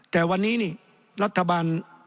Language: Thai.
แต่วันนี้นี่รัฐบาล